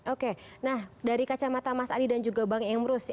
oke nah dari kacamata mas adi dan juga bang emrus